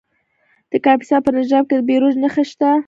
د کاپیسا په نجراب کې د بیروج نښې شته.